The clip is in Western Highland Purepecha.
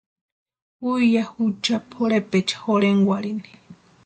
Ju ya jucha pʼorhepecha jorhenkwarhini.